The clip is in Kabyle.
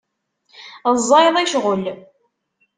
Ẓẓayeḍ i ccɣel.